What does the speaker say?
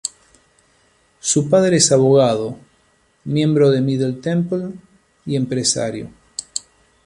Su padre es abogado, miembro de Middle Temple y empresario.